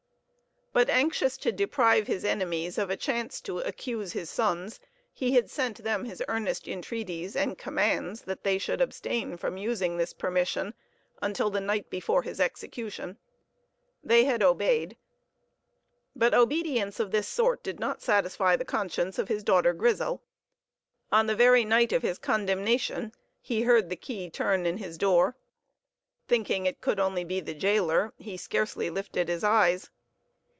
But, anxious to deprive his enemies of a chance to accuse his sons, he had sent them his earnest entreaties and commands that they should abstain from using this permission until the night before his execution. They had obeyed; but obedience of this sort did not satisfy the conscience of his daughter Grizel. On the very night of his condemnation he heard the key turn in his door; thinking it could only be the gaoler, he scarcely lifted his eyes.